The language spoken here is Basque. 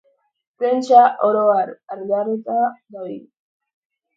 Prentsa, oro har, arduratuta dabil.